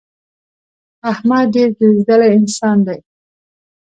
احمد ډېر ګرځېدلی انسان دی.